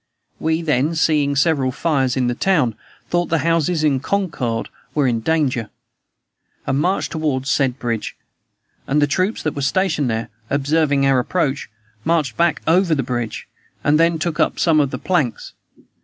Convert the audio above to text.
We then, seeing several fires in the town, thought the houses in Concord were in danger, and marched toward the said bridge; and the troops that were stationed there, observing our approach, marched back over the bridge, and then took up some of the planks.